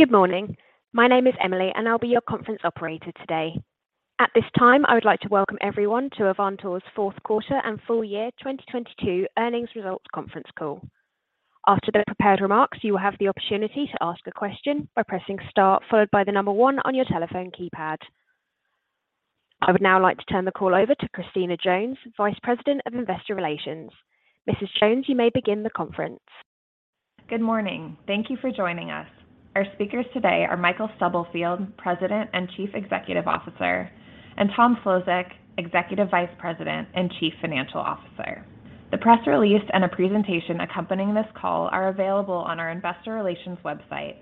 Good morning. My name is Emily. I'll be your conference operator today. At this time, I would like to welcome everyone to Avantor's fourth quarter and full-year 2022 earnings results conference call. After the prepared remarks, you will have the opportunity to ask a question by pressing star followed by one on your telephone keypad. I would now like to turn the call over to Christina Jones, Vice President of Investor Relations. Mrs. Jones, you may begin the conference. Good morning. Thank you for joining us. Our speakers today are Michael Stubblefield, President and Chief Executive Officer, and Thomas Szlosek, Executive Vice President and Chief Financial Officer. The press release and a presentation accompanying this call are available on our investor relations website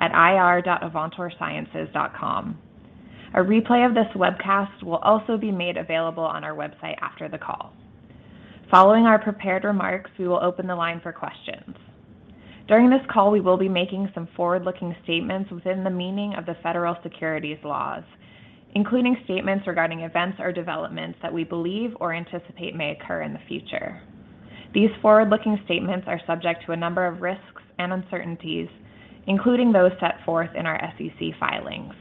at ir.avantorsciences.com. A replay of this webcast will also be made available on our website after the call. Following our prepared remarks, we will open the line for questions. During this call, we will be making some forward-looking statements within the meaning of the federal securities laws, including statements regarding events or developments that we believe or anticipate may occur in the future. These forward-looking statements are subject to a number of risks and uncertainties, including those set forth in our SEC filings.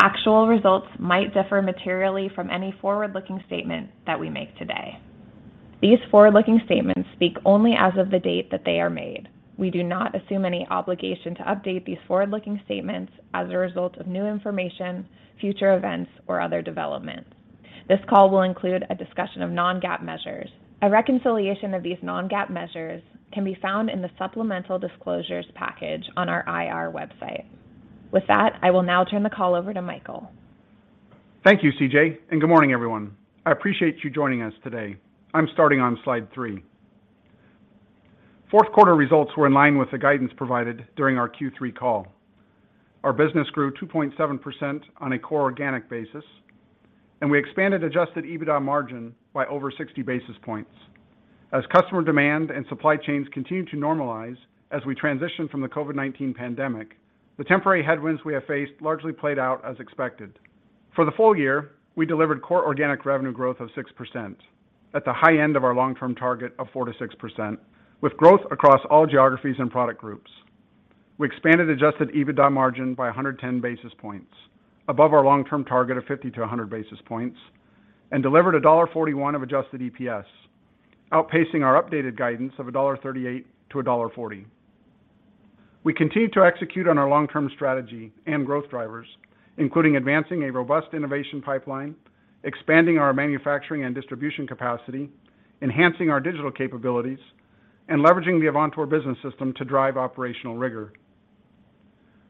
Actual results might differ materially from any forward-looking statement that we make today. These forward-looking statements speak only as of the date that they are made. We do not assume any obligation to update these forward-looking statements as a result of new information, future events, or other developments. This call will include a discussion of non-GAAP measures. A reconciliation of these non-GAAP measures can be found in the supplemental disclosures package on our IR website. With that, I will now turn the call over to Michael. Thank you, CJ. Good morning, everyone. I appreciate you joining us today. I'm starting on slide three. Fourth quarter results were in line with the guidance provided during our Q3 call. Our business grew 2.7% on a core organic basis, and we expanded adjusted EBITDA margin by over 60 basis points. As customer demand and supply chains continue to normalize as we transition from the COVID-19 pandemic, the temporary headwinds we have faced largely played out as expected. For the full-year, we delivered core organic revenue growth of 6% at the high end of our long-term target of 4%-6%, with growth across all geographies and product groups. We expanded adjusted EBITDA margin by 110 basis points above our long-term target of 50-100 basis points and delivered $1.41 of adjusted EPS, outpacing our updated guidance of $1.38-$1.40. We continue to execute on our long-term strategy and growth drivers, including advancing a robust innovation pipeline, expanding our manufacturing and distribution capacity, enhancing our digital capabilities, and leveraging the Avantor Business System to drive operational rigor.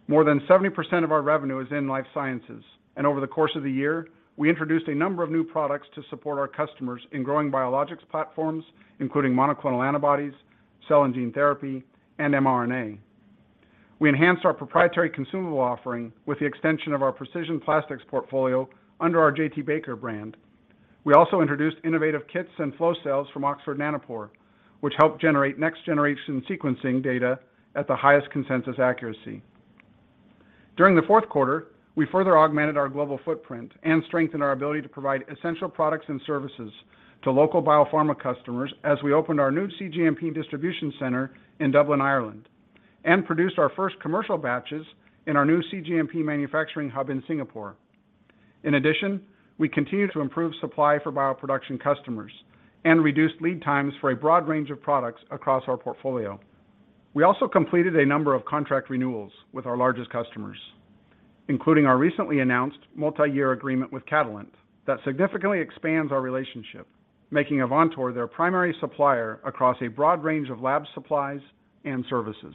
More than 70% of our revenue is in life sciences, and over the course of the year, we introduced a number of new products to support our customers in growing biologics platforms, including monoclonal antibodies, cell and gene therapy, and mRNA. We enhanced our proprietary consumable offering with the extension of our precision plastics portfolio under our J.T.Baker brand. We also introduced innovative kits and flow cells from Oxford Nanopore, which help generate next generation sequencing data at the highest consensus accuracy. During the fourth quarter, we further augmented our global footprint and strengthened our ability to provide essential products and services to local biopharma customers as we opened our new cGMP distribution center in Dublin, Ireland, and produced our first commercial batches in our new cGMP manufacturing hub in Singapore. We continued to improve supply for bioproduction customers and reduced lead times for a broad range of products across our portfolio. We also completed a number of contract renewals with our largest customers, including our recently announced multi-year agreement with Catalent that significantly expands our relationship, making Avantor their primary supplier across a broad range of lab supplies and services.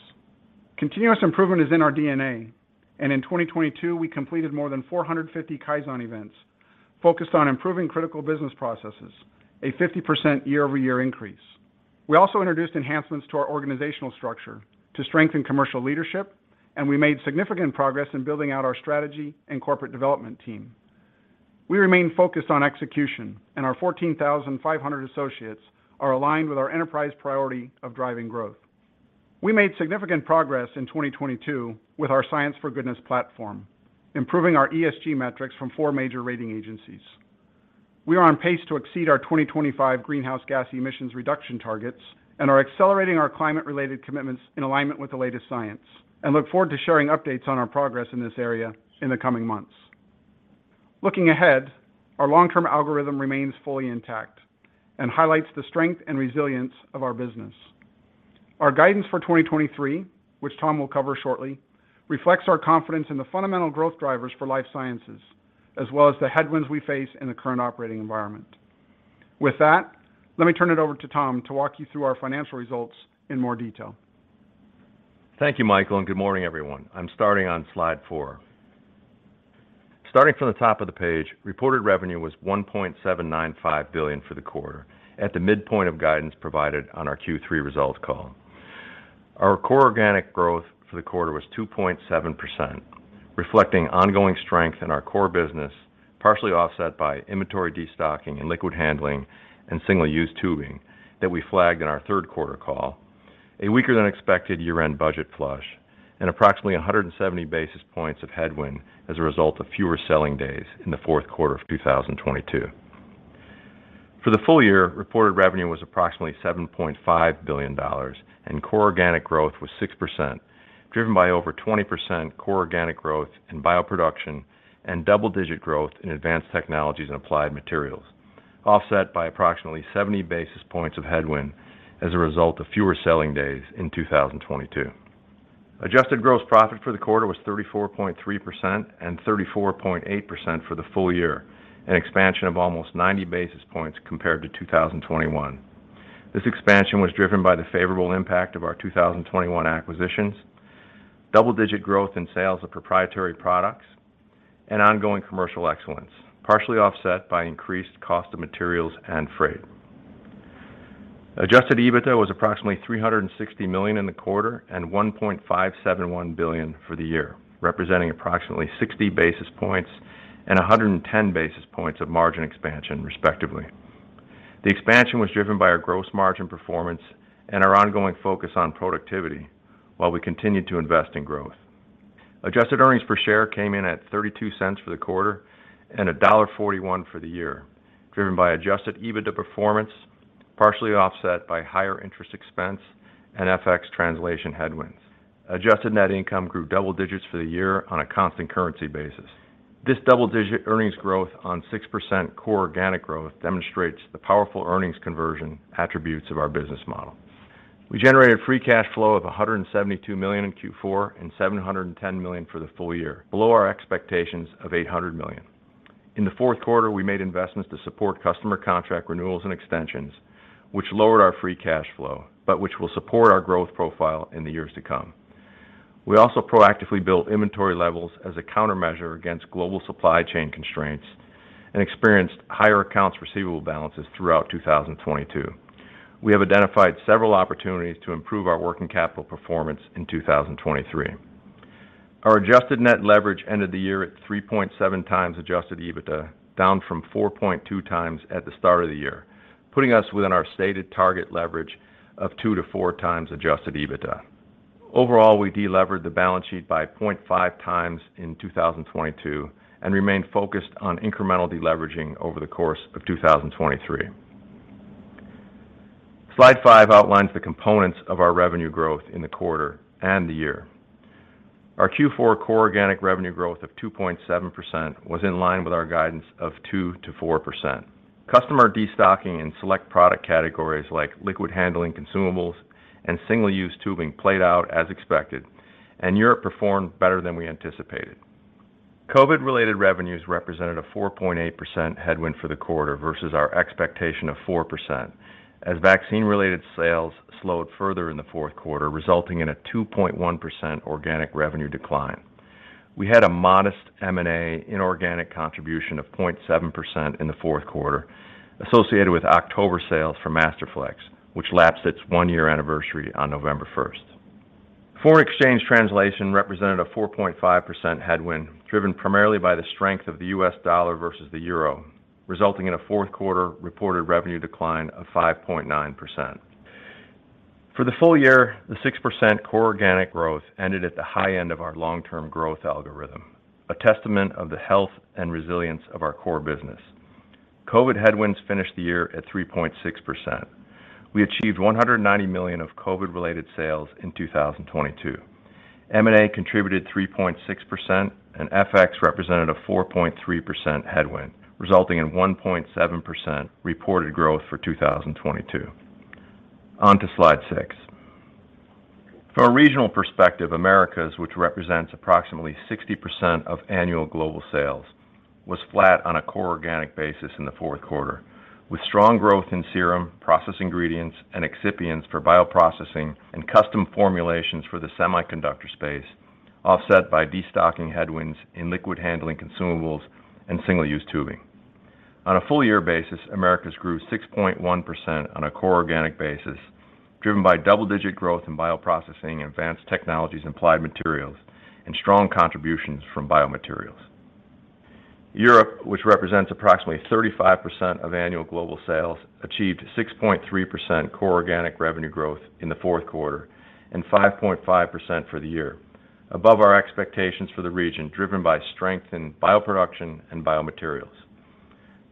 Continuous improvement is in our DNA. In 2022, we completed more than 450 Kaizen events focused on improving critical business processes, a 50% year-over-year increase. We also introduced enhancements to our organizational structure to strengthen commercial leadership. We made significant progress in building out our strategy and corporate development team. We remain focused on execution. Our 14,500 associates are aligned with our enterprise priority of driving growth. We made significant progress in 2022 with our Science for Goodness platform, improving our ESG metrics from four major rating agencies. We are on pace to exceed our 2025 greenhouse gas emissions reduction targets. We are accelerating our climate-related commitments in alignment with the latest science. We look forward to sharing updates on our progress in this area in the coming months. Looking ahead, our long-term algorithm remains fully intact and highlights the strength and resilience of our business. Our guidance for 2023, which Tom will cover shortly, reflects our confidence in the fundamental growth drivers for life sciences as well as the headwinds we face in the current operating environment. With that, let me turn it over to Tom to walk you through our financial results in more detail. Thank you, Michael, and good morning, everyone. I'm starting on slide four. Starting from the top of the page, reported revenue was $1.795 billion for the quarter at the midpoint of guidance provided on our Q3 results call. Our core organic growth for the quarter was 2.7%, reflecting ongoing strength in our core business, partially offset by inventory destocking and liquid handling and single-use tubing that we flagged in our third quarter call, a weaker than expected year-end budget flush, and approximately 170 basis points of headwind as a result of fewer selling days in the fourth quarter of 2022. For the full-year, reported revenue was approximately $7.5 billion, and core organic growth was 6%, driven by over 20% core organic growth in bioproduction and double-digit growth in advanced technologies and applied materials, offset by approximately 70 basis points of headwind as a result of fewer selling days in 2022. Adjusted gross profit for the quarter was 34.3% and 34.8% for the full-year, an expansion of almost 90 basis points compared to 2021. This expansion was driven by the favorable impact of our 2021 acquisitions, double-digit growth in sales of proprietary products, and ongoing commercial excellence, partially offset by increased cost of materials and freight. Adjusted EBITDA was approximately $360 million in the quarter and $1.571 billion for the year, representing approximately 60 basis points and 110 basis points of margin expansion, respectively. The expansion was driven by our gross margin performance and our ongoing focus on productivity while we continued to invest in growth. Adjusted EPS came in at $0.32 for the quarter and $1.41 for the year, driven by adjusted EBITDA performance, partially offset by higher interest expense and FX translation headwinds. Adjusted net income grew double digits for the year on a constant currency basis. This double-digit earnings growth on 6% core organic growth demonstrates the powerful earnings conversion attributes of our business model. We generated free cash flow of $172 million in Q4 and $710 million for the full-year, below our expectations of $800 million. In the fourth quarter, we made investments to support customer contract renewals and extensions, which lowered our free cash flow, but which will support our growth profile in the years to come. We also proactively built inventory levels as a countermeasure against global supply chain constraints and experienced higher accounts receivable balances throughout 2022. We have identified several opportunities to improve our working capital performance in 2023. Our adjusted net leverage ended the year at 3.7x adjusted EBITDA, down from 4.2x at the start of the year, putting us within our stated target leverage of 2x-4x adjusted EBITDA. We delevered the balance sheet by 0.5x in 2022 and remain focused on incremental deleveraging over the course of 2023. Slide five outlines the components of our revenue growth in the quarter and the year. Our Q4 core organic revenue growth of 2.7% was in line with our guidance of 2%-4%. Customer destocking in select product categories like liquid handling consumables and single-use tubing played out as expected, and Europe performed better than we anticipated. COVID-related revenues represented a 4.8% headwind for the quarter versus our expectation of 4% as vaccine-related sales slowed further in the fourth quarter, resulting in a 2.1% organic revenue decline. We had a modest M&A inorganic contribution of 0.7% in the fourth quarter associated with October sales for Masterflex, which lapsed its one-year anniversary on November first. Foreign exchange translation represented a 4.5% headwind, driven primarily by the strength of the U.S. dollar versus the euro, resulting in a fourth quarter reported revenue decline of 5.9%. For the full-year, the 6% core organic growth ended at the high end of our long-term growth algorithm, a testament of the health and resilience of our core business. COVID headwinds finished the year at 3.6%. We achieved $190 million of COVID-related sales in 2022. M&A contributed 3.6%, and FX represented a 4.3% headwind, resulting in 1.7% reported growth for 2022. On to slide six. From a regional perspective, Americas, which represents approximately 60% of annual global sales, was flat on a core organic basis in the fourth quarter, with strong growth in serum, process ingredients, and excipients for bioprocessing and custom formulations for the semiconductor space, offset by destocking headwinds in liquid handling consumables and single-use tubing. On a full-year basis, Americas grew 6.1% on a core organic basis, driven by double-digit growth in bioprocessing, advanced technologies and applied materials, and strong contributions from biomaterials. Europe, which represents approximately 35% of annual global sales, achieved 6.3% core organic revenue growth in the fourth quarter and 5.5% for the year, above our expectations for the region, driven by strength in bioproduction and biomaterials.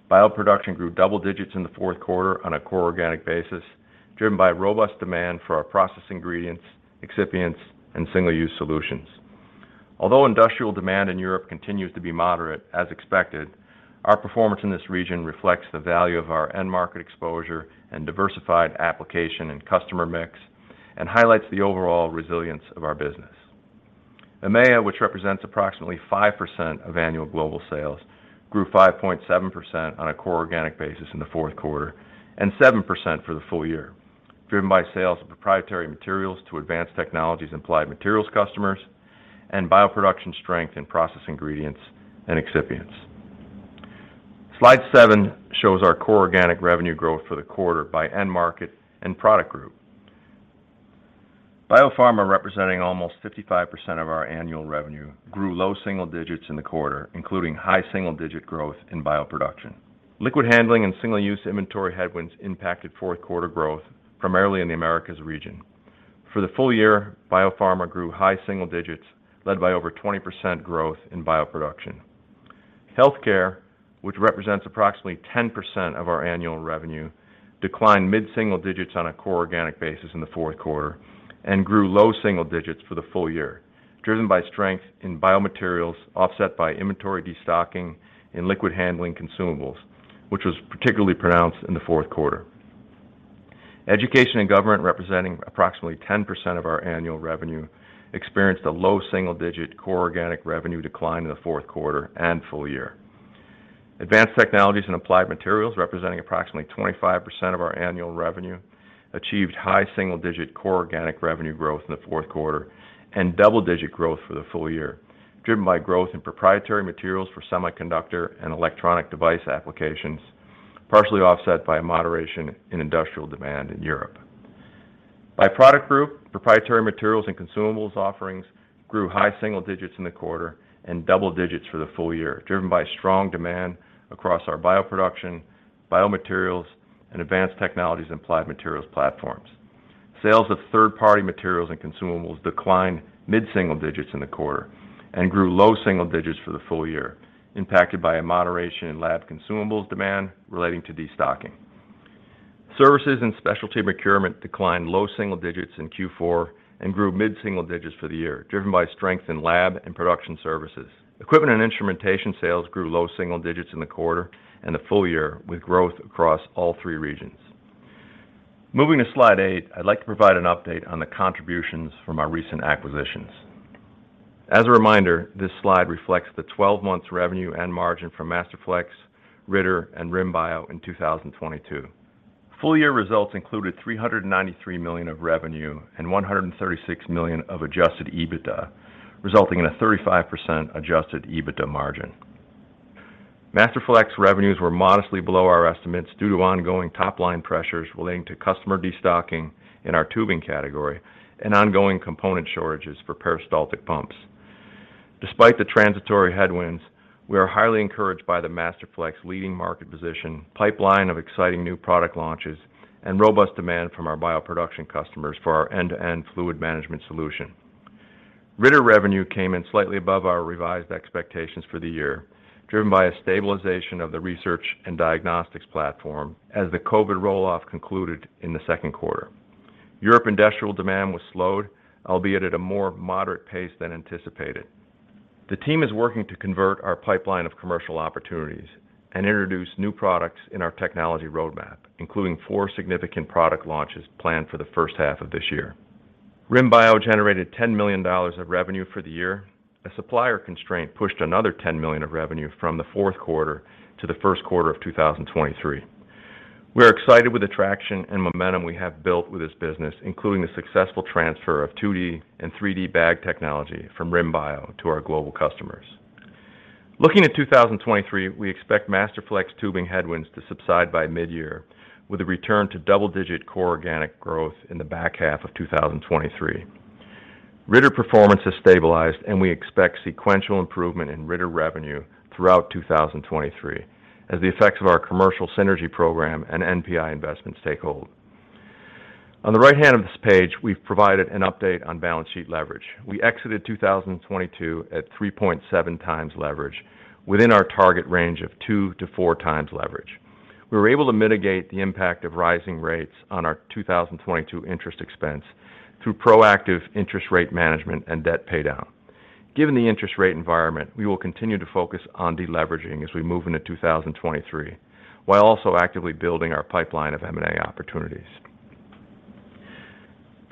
Bioproduction grew double digits in the fourth quarter on a core organic basis, driven by robust demand for our process ingredients, excipients, and single-use solutions. Although industrial demand in Europe continues to be moderate as expected, our performance in this region reflects the value of our end market exposure and diversified application and customer mix and highlights the overall resilience of our business. EMEA, which represents approximately 5% of annual global sales, grew 5.7% on a core organic basis in the fourth quarter and 7% for the full-year, driven by sales of proprietary materials to advanced technologies and applied materials customers and bioproduction strength in process ingredients and excipients. Slide seven shows our core organic revenue growth for the quarter by end market and product group. Biopharma, representing almost 55% of our annual revenue, grew low single digits in the quarter, including high single-digit growth in bioproduction. Liquid handling and single-use inventory headwinds impacted fourth quarter growth, primarily in the Americas region. For the full-year, Biopharma grew high single digits led by over 20% growth in bioproduction. Healthcare, which represents approximately 10% of our annual revenue, declined mid-single digits on a core organic basis in the fourth quarter and grew low single digits for the full-year, driven by strength in biomaterials offset by inventory destocking and liquid handling consumables, which was particularly pronounced in the fourth quarter. Education and Government, representing approximately 10% of our annual revenue, experienced a low single-digit core organic revenue decline in the fourth quarter and full-year. Advanced Technologies and Applied Materials, representing approximately 25% of our annual revenue, achieved high single-digit core organic revenue growth in the fourth quarter and double-digit growth for the full-year, driven by growth in proprietary materials for semiconductor and electronic device applications, partially offset by a moderation in industrial demand in Europe. By product group, proprietary materials and consumables offerings grew high single digits in the quarter and double digits for the full-year, driven by strong demand across our bioproduction, biomaterials, and advanced technologies and applied materials platforms. Sales of third-party materials and consumables declined mid-single digits in the quarter and grew low single digits for the full-year, impacted by a moderation in lab consumables demand relating to destocking. Services and specialty procurement declined low single digits in Q4 and grew mid-single digits for the year, driven by strength in lab and production services. Equipment and instrumentation sales grew low single digits in the quarter and the full-year, with growth across all three regions. Moving to slide eight, I'd like to provide an update on the contributions from our recent acquisitions. As a reminder, this slide reflects the 12 months revenue and margin from Masterflex, Ritter, and RIM Bio in 2022. full-year results included $393 million of revenue and $136 million of adjusted EBITDA, resulting in a 35% adjusted EBITDA margin. Masterflex revenues were modestly below our estimates due to ongoing top-line pressures relating to customer destocking in our tubing category and ongoing component shortages for peristaltic pumps. Despite the transitory headwinds, we are highly encouraged by the Masterflex leading market position, pipeline of exciting new product launches, and robust demand from our bioproduction customers for our end-to-end fluid management solution. Ritter revenue came in slightly above our revised expectations for the year, driven by a stabilization of the research and diagnostics platform as the COVID roll-off concluded in the second quarter. Europe industrial demand was slowed, albeit at a more moderate pace than anticipated. The team is working to convert our pipeline of commercial opportunities and introduce new products in our technology roadmap, including four significant product launches planned for the first half of this year. RIM Bio generated $10 million of revenue for the year. A supplier constraint pushed another $10 million of revenue from the fourth quarter to the first quarter of 2023. We're excited with the traction and momentum we have built with this business, including the successful transfer of 2D and 3D bag technology from RIM Bio to our global customers. Looking at 2023, we expect Masterflex tubing headwinds to subside by mid-year with a return to double-digit core organic growth in the back half of 2023. Ritter performance has stabilized. We expect sequential improvement in Ritter revenue throughout 2023 as the effects of our commercial synergy program and NPI investments take hold. On the right hand of this page, we've provided an update on balance sheet leverage. We exited 2022 at 3.7x leverage within our target range of 2x-4x leverage. We were able to mitigate the impact of rising rates on our 2022 interest expense through proactive interest rate management and debt paydown. Given the interest rate environment, we will continue to focus on deleveraging as we move into 2023, while also actively building our pipeline of M&A opportunities.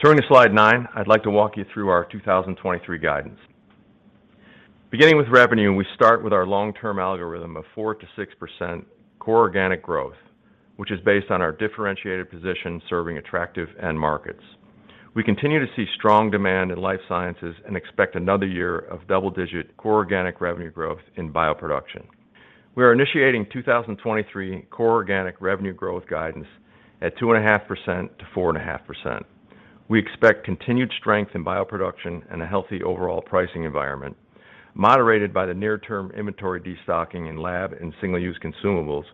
Turning to slide nine, I'd like to walk you through our 2023 guidance. Beginning with revenue, we start with our long-term algorithm of 4%-6% core organic growth, which is based on our differentiated position serving attractive end markets. We continue to see strong demand in life sciences and expect another year of double-digit core organic revenue growth in bioproduction. We are initiating 2023 core organic revenue growth guidance at 2.5%-4.5%. We expect continued strength in bioproduction and a healthy overall pricing environment, moderated by the near term inventory destocking in lab and single-use consumables,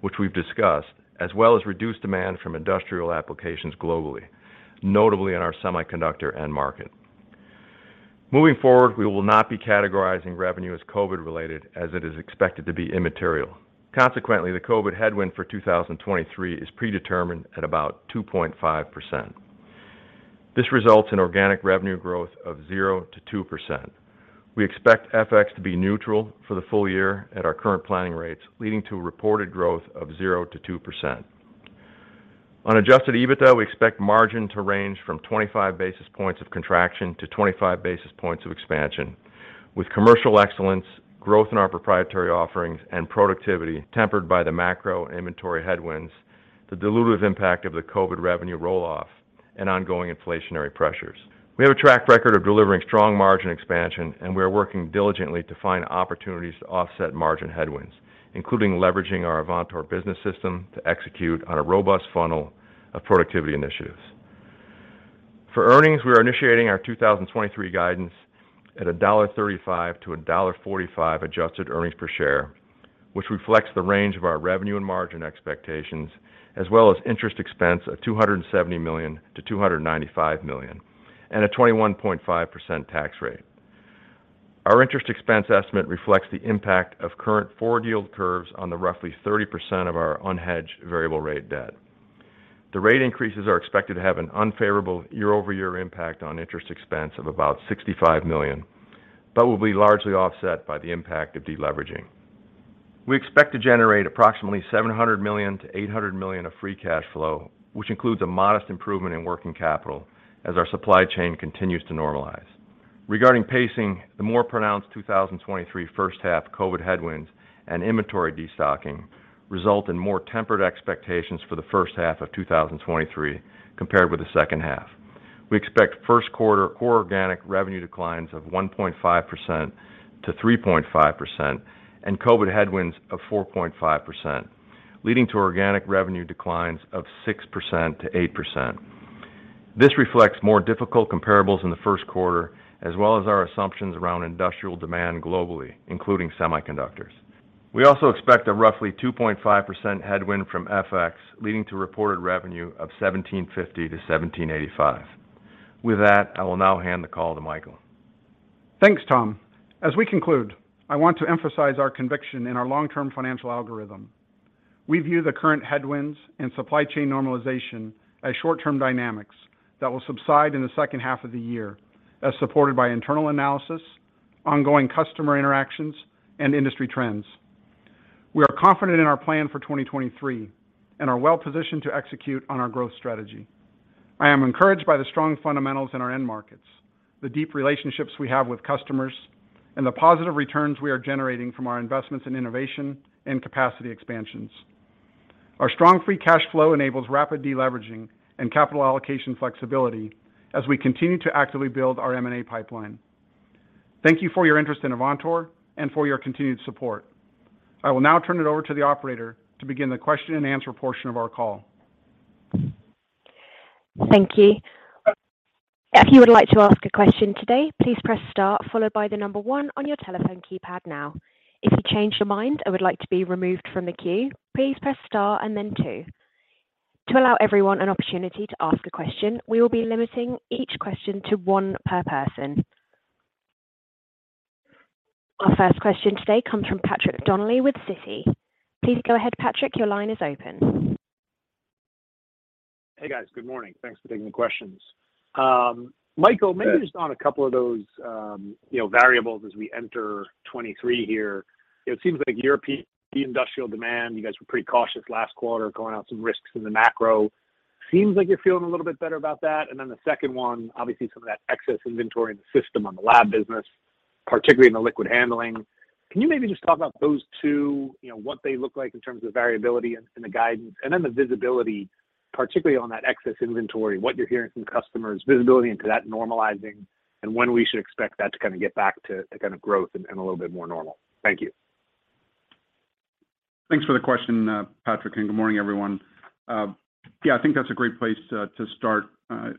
which we've discussed, as well as reduced demand from industrial applications globally, notably in our semiconductor end market. Moving forward, we will not be categorizing revenue as COVID-related as it is expected to be immaterial. Consequently, the COVID headwind for 2023 is predetermined at about 2.5%. This results in organic revenue growth of 0%-2%. We expect FX to be neutral for the full-year at our current planning rates, leading to a reported growth of 0%-2%. On adjusted EBITDA, we expect margin to range from 25 basis points of contraction to 25 basis points of expansion, with commercial excellence, growth in our proprietary offerings and productivity tempered by the macro inventory headwinds, the dilutive impact of the COVID revenue roll-off, and ongoing inflationary pressures. We have a track record of delivering strong margin expansion, and we are working diligently to find opportunities to offset margin headwinds, including leveraging our Avantor Business System to execute on a robust funnel of productivity initiatives. For earnings, we are initiating our 2023 guidance. At $1.35-$1.45 adjusted earnings per share, which reflects the range of our revenue and margin expectations, as well as interest expense of $270 million-$295 million, and a 21.5% tax rate. Our interest expense estimate reflects the impact of current forward yield curves on the roughly 30% of our unhedged variable rate debt. The rate increases are expected to have an unfavorable year-over-year impact on interest expense of about $65 million, but will be largely offset by the impact of deleveraging. We expect to generate approximately $700 million-$800 million of free cash flow, which includes a modest improvement in working capital as our supply chain continues to normalize. Regarding pacing, the more pronounced 2023 first half COVID headwinds and inventory destocking result in more tempered expectations for the first half of 2023 compared with the second half. We expect first quarter core organic revenue declines of 1.5%-3.5% and COVID headwinds of 4.5%, leading to organic revenue declines of 6%-8%. This reflects more difficult comparables in the first quarter, as well as our assumptions around industrial demand globally, including semiconductors. We also expect a roughly 2.5 headwind from FX, leading to reported revenue of $1,750-$1,785. With that, I will now hand the call to Michael. Thanks, Tom. As we conclude, I want to emphasize our conviction in our long-term financial algorithm. We view the current headwinds and supply chain normalization as short-term dynamics that will subside in the second half of the year, as supported by internal analysis, ongoing customer interactions, and industry trends. We are confident in our plan for 2023 and are well positioned to execute on our growth strategy. I am encouraged by the strong fundamentals in our end markets, the deep relationships we have with customers, and the positive returns we are generating from our investments in innovation and capacity expansions. Our strong free cash flow enables rapid deleveraging and capital allocation flexibility as we continue to actively build our M&A pipeline. Thank you for your interest in Avantor and for your continued support. I will now turn it over to the operator to begin the question-and-answer portion of our call. Thank you. If you would like to ask a question today, please press star followed by one on your telephone keypad now. If you change your mind and would like to be removed from the queue, please press star and then two. To allow everyone an opportunity to ask a question, we will be limiting each question to one per person. Our first question today comes from Patrick Donnelly with Citi. Please go ahead, Patrick. Your line is open. Hey, guys. Good morning. Thanks for taking the questions. Yes. Maybe just on a couple of those, you know, variables as we enter 2023 here. It seems like European industrial demand, you guys were pretty cautious last quarter going out some risks in the macro. Seems like you're feeling a little bit better about that. The second one, obviously some of that excess inventory in the system on the lab business, particularly in the liquid handling. Can you maybe just talk about those two, you know, what they look like in terms of variability and the guidance, then the visibility, particularly on that excess inventory, what you're hearing from customers, visibility into that normalizing and when we should expect that to kind of get back to kind of growth and a little bit more normal? Thank you. Thanks for the question, Patrick, and good morning, everyone. Yeah, I think that's a great place to start. When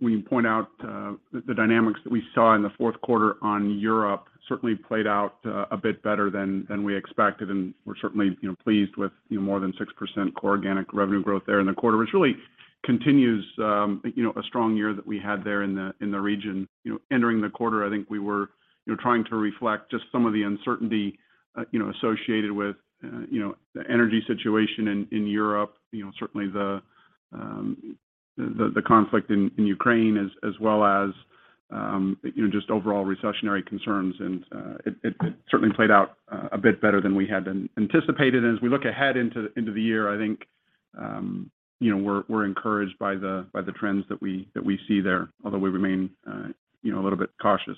you point out the dynamics that we saw in the fourth quarter on Europe certainly played out a bit better than we expected, and we're certainly, you know, pleased with, you know, more than 6% core organic revenue growth there in the quarter, which really continues, you know, a strong year that we had there in the region. You know, entering the quarter, I think we were, you know, trying to reflect just some of the uncertainty, you know, associated with the energy situation in Europe. Certainly the conflict in Ukraine as well as, you know, just overall recessionary concerns. It certainly played out a bit better than we had anticipated. As we look ahead into the year, I think, you know, we're encouraged by the trends that we see there, although we remain, you know, a little bit cautious.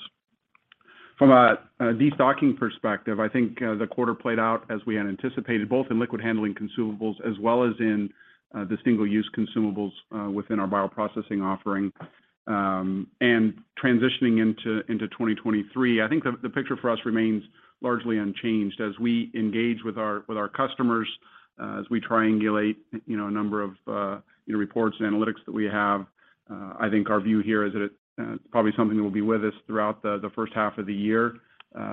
From a destocking perspective, I think, the quarter played out as we had anticipated, both in liquid handling consumables as well as in the single-use consumables within our bioprocessing offering. Transitioning into 2023, I think the picture for us remains largely unchanged. As we engage with our customers, as we triangulate, you know, a number of, you know, reports and analytics that we have, I think our view here is that it's probably something that will be with us throughout the first half of the year,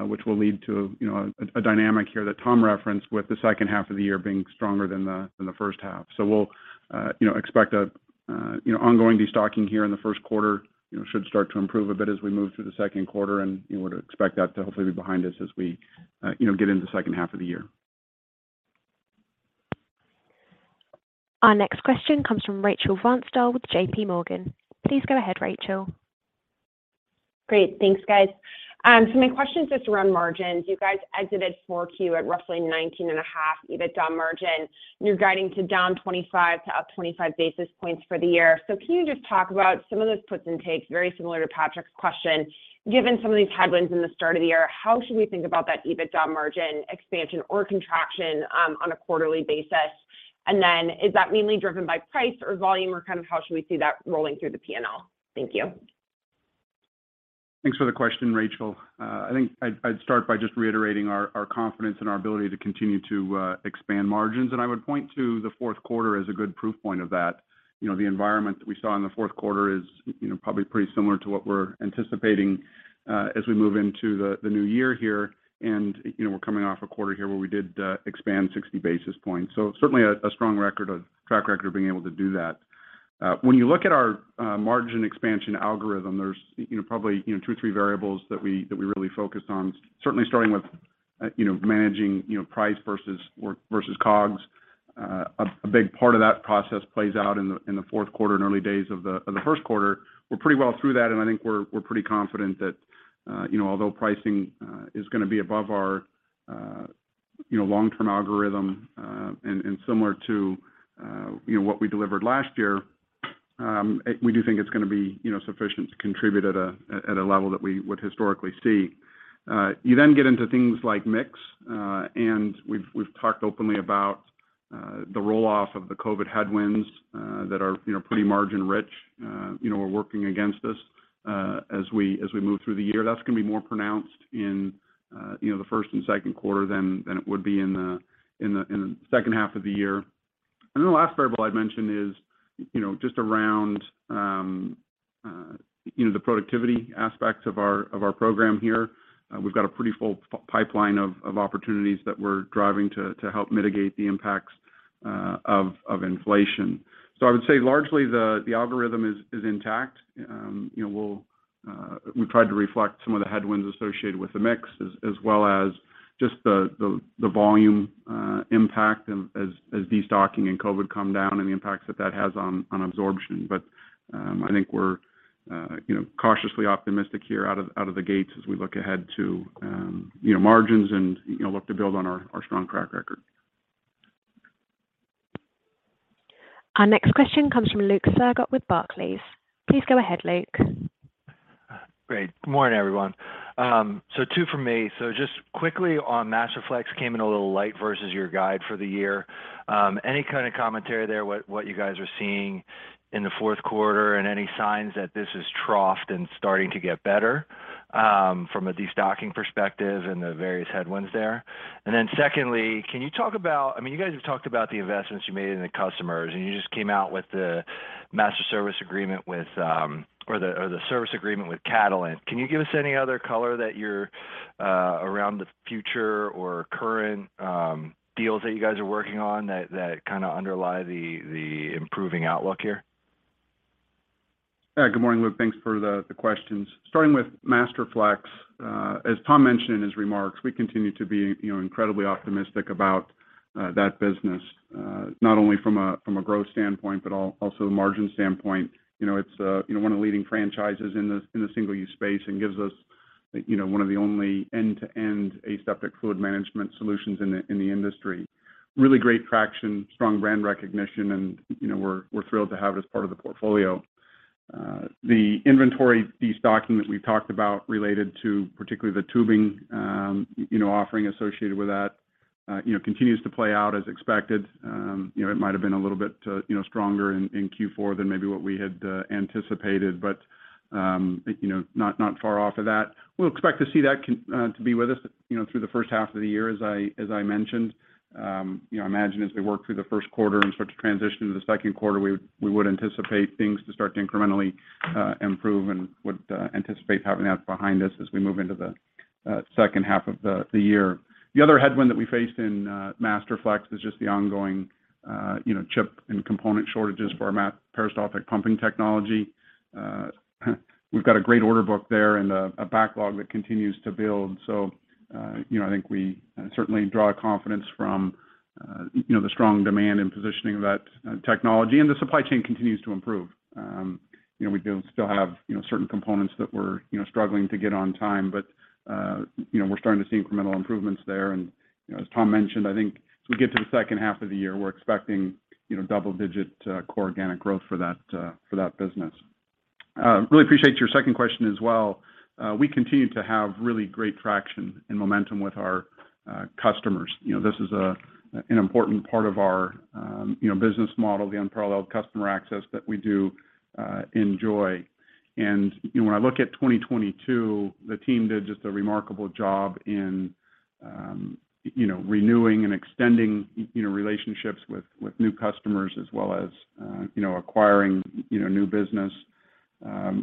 which will lead to, you know, a dynamic here that Tom referenced with the second half of the year being stronger than the first half. We'll, you know, expect a, you know, ongoing destocking here in the first quarter, you know, should start to improve a bit as we move through the second quarter and, you know, would expect that to hopefully be behind us as we, you know, get into the second half of the year. Our next question comes from Rachel Vatnsdal with JPMorgan. Please go ahead, Rachel. Great. Thanks, guys. My question is just around margins. You guys exited four Q at roughly 19.5% EBITDA margin. You're guiding to down 25 to up 25 basis points for the year. Can you just talk about some of those puts and takes, very similar to Patrick's question. Given some of these headwinds in the start of the year, how should we think about that EBITDA margin expansion or contraction, on a quarterly basis? Is that mainly driven by price or volume or kind of how should we see that rolling through the P&L? Thank you. Thanks for the question, Rachel. I think I'd start by just reiterating our confidence in our ability to continue to expand margins. I would point to the fourth quarter as a good proof point of that. You know, the environment that we saw in the fourth quarter is, you know, probably pretty similar to what we're anticipating as we move into the new year here. You know, we're coming off a quarter here where we did expand 60 basis points. Certainly a strong record, a track record of being able to do that. When you look at our margin expansion algorithm, there's, you know, probably, you know, two, three variables that we really focus on. Certainly starting with, you know, managing, you know, price versus COGS. A big part of that process plays out in the fourth quarter and early days of the first quarter. We're pretty well through that, and I think we're pretty confident that, you know, although pricing is gonna be above our, you know, long-term algorithm, and similar to, you know, what we delivered last year, we do think it's gonna be, you know, sufficient to contribute at a level that we would historically see. You then get into things like mix, and we've talked openly about the roll-off of the COVID headwinds that are, you know, pretty margin rich, you know, are working against us as we move through the year. That's going to be more pronounced in, you know, the first and second quarter than it would be in the second half of the year. The last variable I'd mention is, you know, just around, you know, the productivity aspects of our program here. We've got a pretty full pipeline of opportunities that we're driving to help mitigate the impacts of inflation. I would say largely the algorithm is intact. You know, we'll, we tried to reflect some of the headwinds associated with the mix as well as just the volume impact and as destocking and COVID come down and the impacts that that has on absorption. I think we're, you know, cautiously optimistic here out of the gates as we look ahead to, you know, margins and, you know, look to build on our strong track record. Our next question comes from Luke Sergott with Barclays. Please go ahead, Luke. Great. Good morning, everyone. Two from me. Just quickly on Masterflex came in a little light versus your guide for the year. Any kind of commentary there, what you guys are seeing in the fourth quarter and any signs that this has troughed and starting to get better from a destocking perspective and the various headwinds there? Secondly, can you talk about I mean, you guys have talked about the investments you made in the customers, and you just came out with the master service agreement with the service agreement with Catalent. Can you give us any other color that you're around the future or current deals that you guys are working on that kind of underlie the improving outlook here? Yeah. Good morning, Luke. Thanks for the questions. Starting with Masterflex. As Tom mentioned in his remarks, we continue to be incredibly optimistic about that business, not only from a growth standpoint, but also a margin standpoint. It's one of the leading franchises in the single-use space and gives us one of the only end-to-end aseptic fluid management solutions in the industry. Really great traction, strong brand recognition and we're thrilled to have it as part of the portfolio. The inventory destocking that we've talked about related to particularly the tubing offering associated with that continues to play out as expected. You know, it might've been a little bit, you know, stronger in Q4 than maybe what we had anticipated, but, you know, not far off of that. We'll expect to see that to be with us, you know, through the first half of the year, as I mentioned. You know, imagine as we work through the first quarter and start to transition to the second quarter, we would anticipate things to start to incrementally improve and would anticipate having that behind us as we move into the second half of the year. The other headwind that we faced in Masterflex is just the ongoing, you know, chip and component shortages for our peristaltic pumping technology. We've got a great order book there and a backlog that continues to build. You know, I think we certainly draw confidence from, you know, the strong demand and positioning of that technology, and the supply chain continues to improve. You know, we do still have, you know, certain components that we're, you know, struggling to get on time, but, you know, we're starting to see incremental improvements there. You know, as Tom mentioned, I think as we get to the second half of the year, we're expecting, you know, double-digit core organic growth for that for that business. Really appreciate your second question as well. We continue to have really great traction and momentum with our customers. You know, this is an important part of our, you know, business model, the unparalleled customer access that we do enjoy. You know, when I look at 2022, the team did just a remarkable job in, you know, renewing and extending, you know, relationships with new customers as well as, you know, acquiring, you know, new business.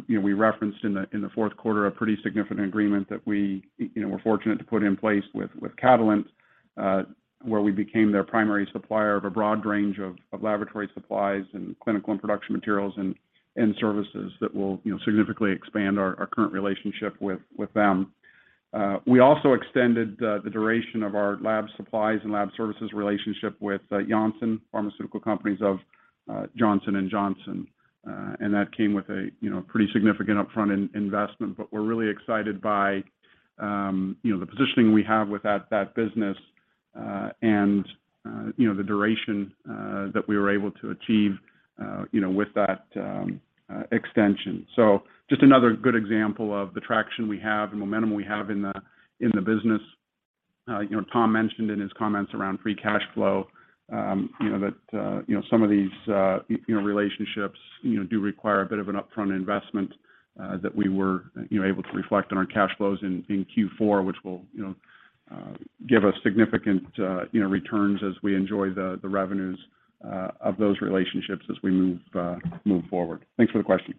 You know, we referenced in the fourth quarter a pretty significant agreement that we, you know, were fortunate to put in place with Catalent, where we became their primary supplier of a broad range of laboratory supplies and clinical and production materials and services that will, you know, significantly expand our current relationship with them. We also extended the duration of our lab supplies and lab services relationship with Janssen Pharmaceutical Companies of Johnson & Johnson. That came with a, you know, pretty significant upfront investment, but we're really excited by, you know, the positioning we have with that business, and, you know, the duration that we were able to achieve, you know, with that extension. Just another good example of the traction we have and momentum we have in the business. You know, Tom mentioned in his comments around free cash flow, you know, that, you know, some of these, you know, relationships, you know, do require a bit of an upfront investment that we were, you know, able to reflect on our cash flows in Q4, which will, you know, give us significant, you know, returns as we enjoy the revenues of those relationships as we move forward. Thanks for the question.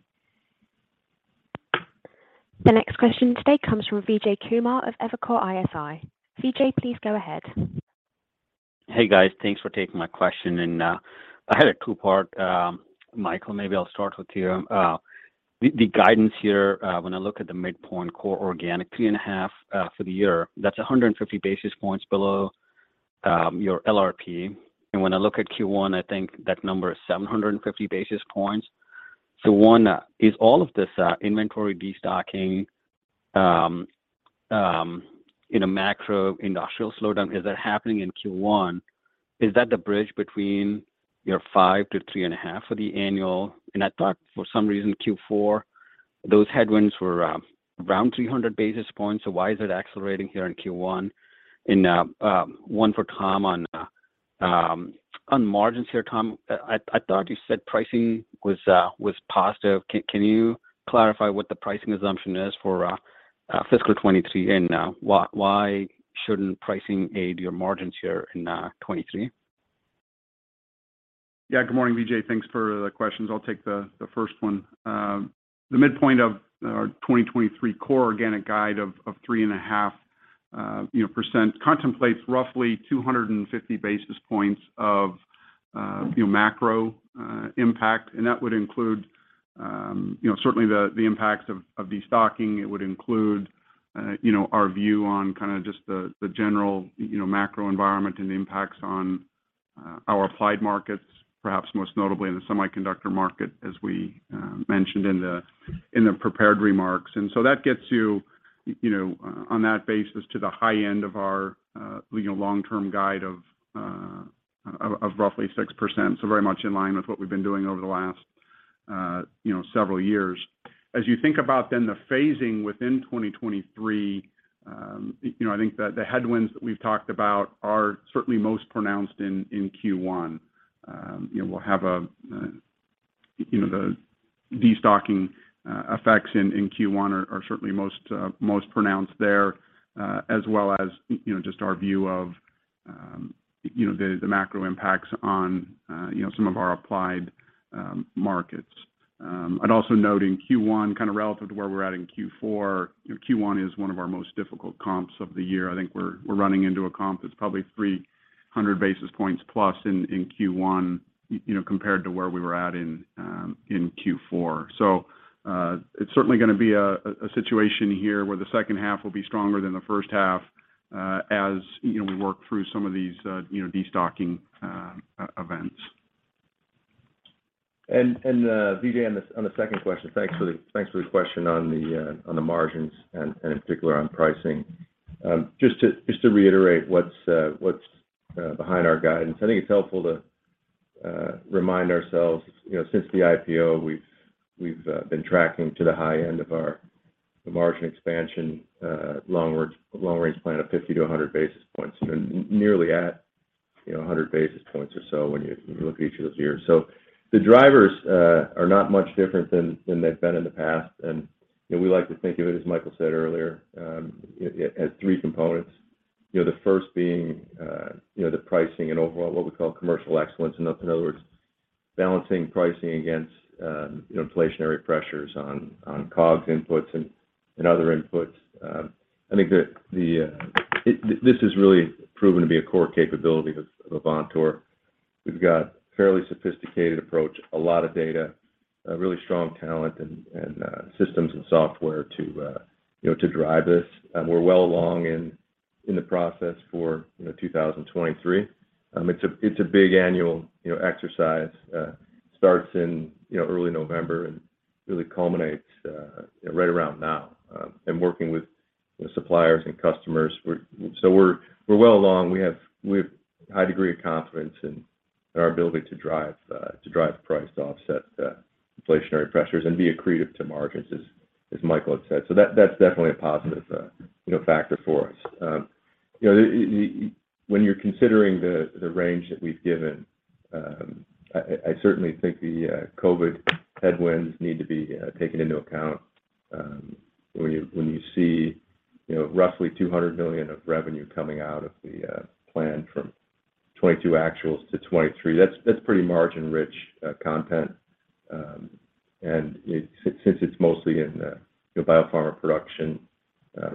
The next question today comes from Vijay Kumar of Evercore ISI. Vijay, please go ahead. Hey, guys. Thanks for taking my question. I had a two-part, Michael, maybe I'll start with you. The guidance here, when I look at the midpoint core organic 3.5% for the year, that's 150 basis points below your LRP. When I look at Q1, I think that number is 750 basis points. One, is all of this inventory destocking in a macro industrial slowdown, is that happening in Q1? Is that the bridge between your 5%-3.5% for the annual? I thought for some reason, Q4, those headwinds were around 300 basis points, so why is it accelerating here in Q1? One for Tom on margins here, Tom, I thought you said pricing was positive. Can you clarify what the pricing assumption is for fiscal 2023, why shouldn't pricing aid your margins here in 2023? Yeah. Good morning, Vijay. Thanks for the questions. I'll take the first one. The midpoint of our 2023 core organic guide of 3.5% contemplates roughly 250 basis points of you know, macro impact, and that would include you know, certainly the impacts of destocking. It would include you know, our view on kinda just the general you know, macro environment and the impacts on our applied markets, perhaps most notably in the semiconductor market as we mentioned in the prepared remarks. That gets you know, on that basis to the high end of our, you know, long-term guide of roughly 6%, so very much in line with what we've been doing over the last, you know, several years. As you think about then the phasing within 2023, you know, I think the headwinds that we've talked about are certainly most pronounced in Q1. You know, we'll have a, you know, the destocking effects in Q1 are certainly most pronounced there, as well as, you know, just our view of, you know, the macro impacts on, you know, some of our applied markets. I'd also note in Q1, kind of relative to where we're at in Q4, you know, Q1 is one of our most difficult comps of the year. I think we're running into a comp that's probably 300 basis points plus in Q1, you know, compared to where we were at in Q4. It's certainly gonna be a situation here where the second half will be stronger than the first half, as, you know, we work through some of these, you know, destocking, events. Vijay, on the second question, thanks for the question on the margins and in particular on pricing. Just to reiterate what's behind our guidance, I think it's helpful to remind ourselves, you know, since the IPO, we've been tracking to the high end of our margin expansion long range plan of 50-100 basis points. We're nearly at, you know, 100 basis points or so when you look at each of those years. The drivers are not much different than they've been in the past. You know, we like to think of it, as Michael said earlier, it has three components. You know, the first being, you know, the pricing and overall what we call commercial excellence. In other words, balancing pricing against, you know, inflationary pressures on COGS inputs and other inputs. I think this has really proven to be a core capability of Avantor. We've got fairly sophisticated approach, a lot of data, a really strong talent and systems and software to, you know, to drive this. We're well along in the process for, you know, 2023. It's a big annual, you know, exercise, starts in, you know, early November and really culminates right around now, and working with suppliers and customers. We're well along. We have high degree of confidence in our ability to drive the price to offset the inflationary pressures and be accretive to margins as Michael had said. That's definitely a positive, you know, factor for us. You know, when you're considering the range that we've given, I certainly think the COVID headwinds need to be taken into account. When you see, you know, roughly $200 million of revenue coming out of the plan from 2022 actuals to 2023, that's pretty margin-rich content. And since it's mostly in, you know, biopharma production,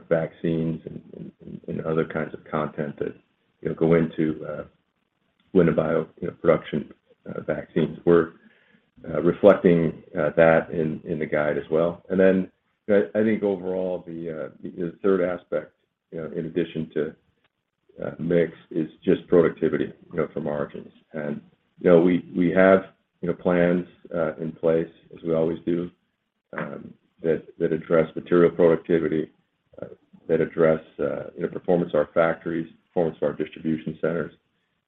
vaccines and other kinds of content that, you know, go into. We're reflecting that in the guide as well. I think overall the third aspect, you know, in addition to mix is just productivity, you know, for margins. You know, we have, you know, plans in place as we always do, that address material productivity, that address, you know, performance of our factories, performance of our distribution centers.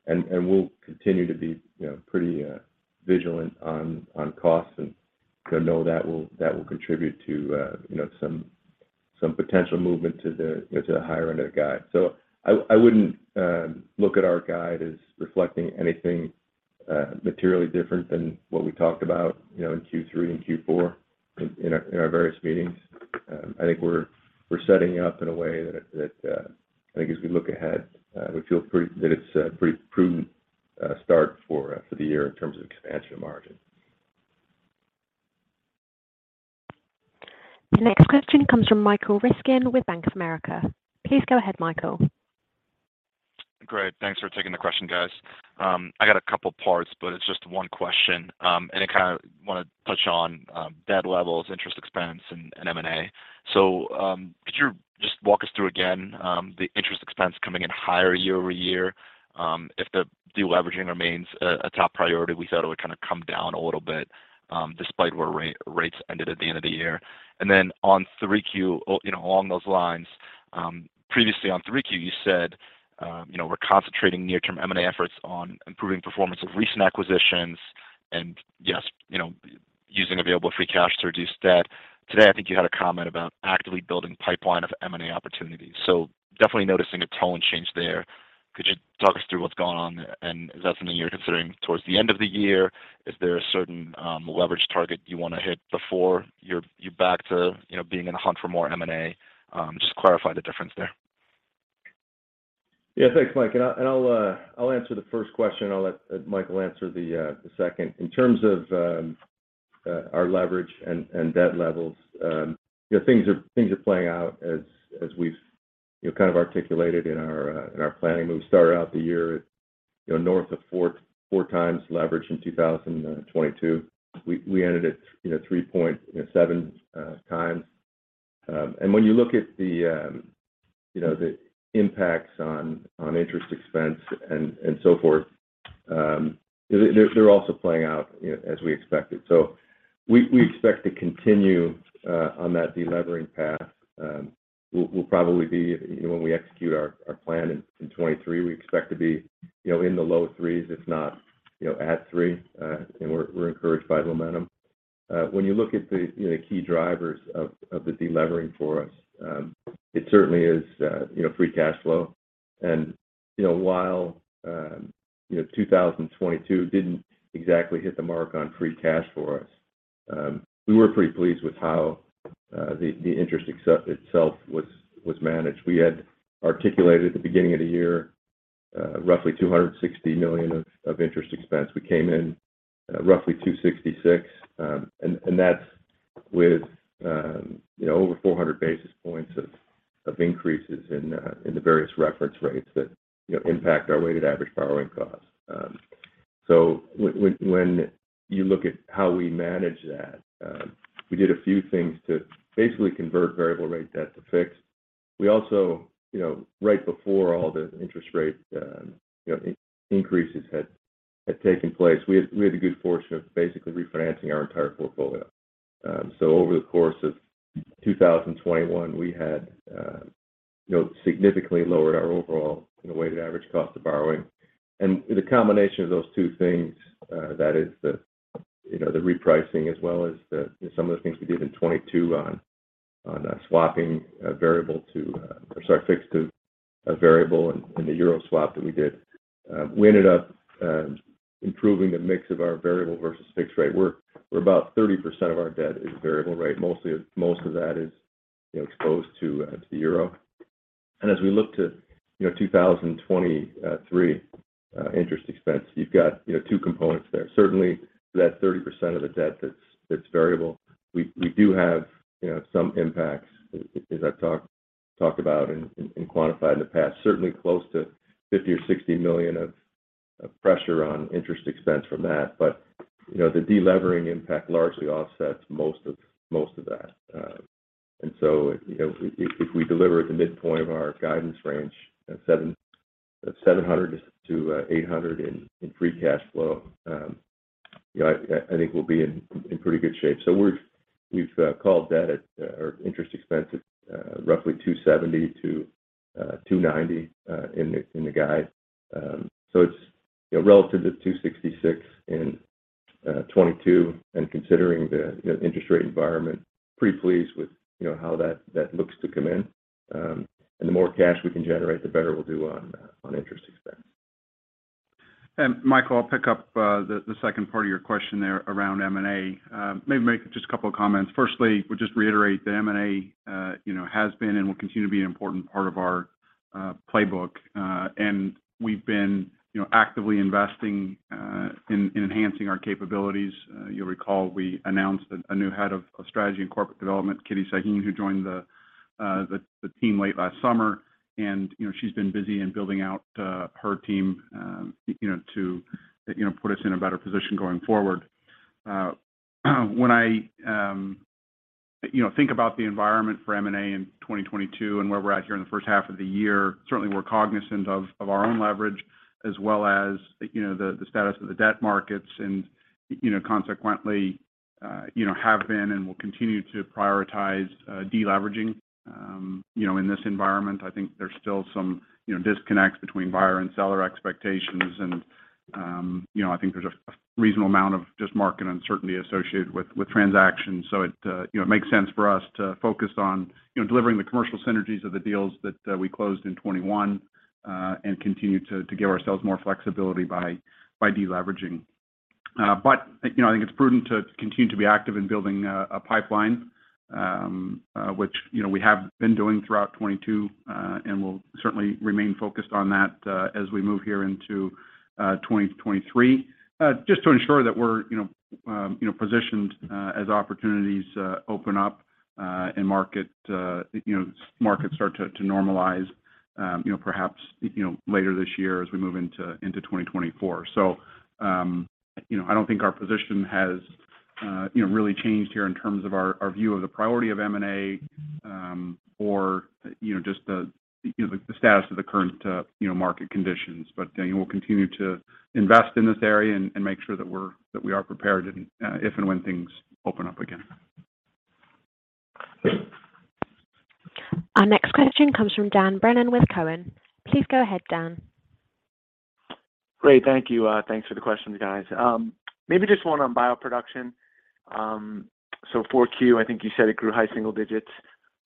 We'll continue to be, you know, pretty vigilant on costs and, you know, that will contribute to, you know, some potential movement to the higher end of the guide. I wouldn't look at our guide as reflecting anything materially different than what we talked about, you know, in Q3 and Q4 in our various meetings. I think we're setting up in a way that, I guess we look ahead, we feel that it's a pretty prudent start for the year in terms of expansion margin. The next question comes from Michael Ryskin with Bank of America. Please go ahead, Michael. Great. Thanks for taking the question, guys. I got a couple parts, but it's just one question. I kinda wanna touch on debt levels, interest expense, and M&A. Could you just walk us through again the interest expense coming in higher year-over-year? If the deleveraging remains a top priority, we thought it would kinda come down a little bit despite where rates ended at the end of the year. On 3Q, you know, along those lines, previously on 3Q, you said, you know, we're concentrating near-term M&A efforts on improving performance of recent acquisitions and yet, you know, using available free cash to reduce debt. Today, I think you had a comment about actively building pipeline of M&A opportunities. Definitely noticing a tone change there. Could you talk us through what's going on there? Is that something you're considering towards the end of the year? Is there a certain leverage target you wanna hit before you're back to, you know, being in a hunt for more M&A? Just clarify the difference there. Yeah, thanks, Mike. I'll answer the first question, I'll let Michael answer the second. In terms of our leverage and debt levels, you know, things are playing out as we've, you know, kind of articulated in our planning. We started out the year, you know, north of 4x leverage in 2022. We ended at, you know, 3.7x. When you look at the, you know, the impacts on interest expense and so forth, they're also playing out, you know, as we expected. We expect to continue on that delevering path. We'll probably be, you know, when we execute our plan in 2023, we expect to be, you know, in the low three's, if not, you know, at three. We're encouraged by the momentum. When you look at the, you know, key drivers of the delevering for us, it certainly is, you know, free cash flow. You know, while, you know, 2022 didn't exactly hit the mark on free cash for us, we were pretty pleased with how the interest itself was managed. We had articulated at the beginning of the year, roughly $260 million of interest expense. We came in at roughly $266. That's with, you know, over 400 basis points of increases in the various reference rates that, you know, impact our weighted average borrowing costs. When you look at how we manage that, we did a few things to basically convert variable rate debt to fixed. We also, you know, right before all the interest rate, you know, increases had taken place, we had the good fortune of basically refinancing our entire portfolio. Over the course of 2021, we had, you know, significantly lowered our overall, you know, weighted average cost of borrowing. The combination of those two things, that is the, you know, the repricing as well as some of the things we did in 2022 on swapping variable to. Sorry, fixed to a variable in the euro swap that we did. We ended up improving the mix of our variable versus fixed rate. We're about 30% of our debt is variable rate. Most of that is, you know, exposed to the euro. As we look to, you know, 2023 interest expense, you've got, you know, two components there. Certainly, that 30% of the debt that's variable. We do have, you know, some impacts, as I've talked about and quantified in the past, certainly close to $50 million or $60 million of pressure on interest expense from that. You know, the delevering impact largely offsets most of that. You know, if we deliver at the midpoint of our guidance range at $700-$800 in free cash flow, I think we'll be in pretty good shape. We've called that at or interest expense at roughly $270-$290 in the guide. It's relative to $266 in 2022 and considering the interest rate environment, pretty pleased with how that looks to come in. The more cash we can generate, the better we'll do on interest expense. Michael, I'll pick up the second part of your question there around M&A. Maybe make just a couple of comments. Firstly, we'll just reiterate the M&A, you know, has been and will continue to be an important part of our playbook. We've been, you know, actively investing in enhancing our capabilities. You'll recall we announced a new head of strategy and corporate development, Kitty Sahin, who joined the team late last summer. You know, she's been busy in building out her team, you know, to, you know, put us in a better position going forward. When I, you know, think about the environment for M&A in 2022 and where we're at here in the first half of the year, certainly we're cognizant of our own leverage as well as, you know, the status of the debt markets and, you know, consequently, you know, have been and will continue to prioritize deleveraging. You know, in this environment, I think there's still some, you know, disconnects between buyer and seller expectations. I think there's a reasonable amount of just market uncertainty associated with transactions. It, you know, it makes sense for us to focus on, you know, delivering the commercial synergies of the deals that we closed in 21 and continue to give ourselves more flexibility by deleveraging. You know, I think it's prudent to continue to be active in building a pipeline, which, you know, we have been doing throughout 2022, and we'll certainly remain focused on that as we move here into 2023. Just to ensure that we're, you know, positioned as opportunities open up and market, you know, markets start to normalize, you know, perhaps, you know, later this year as we move into 2024. You know, I don't think our position has, you know, really changed here in terms of our view of the priority of M&A, or, you know, just the, you know, the status of the current, you know, market conditions. We'll continue to invest in this area and make sure that we are prepared if and when things open up again. Our next question comes from Dan Brennan with Cowen. Please go ahead, Dan. Great. Thank you. Thanks for the questions, guys. Maybe just one on bioproduction. So Q4, I think you said it grew high single digits.